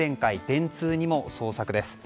電通にも捜索です。